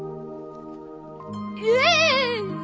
ええ！？